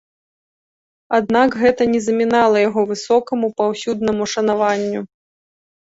Аднак гэта не замінала яго высокаму паўсюднаму шанаванню.